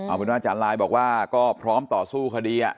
อาจารย์ลายบอกว่าก็พร้อมต่อสู้คดี